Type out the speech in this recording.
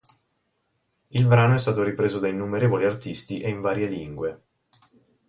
Il brano è stato ripreso da innumerevoli artisti e in varie lingue.